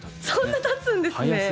そんなたつんですね！